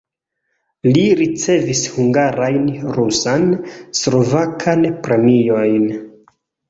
Li ricevis hungarajn rusan, slovakan premiojn.